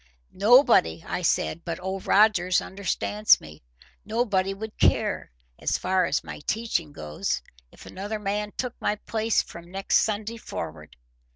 "Nobody," I said, "but Old Rogers understands me. Nobody would care, as far as my teaching goes, if another man took my place from next Sunday forward.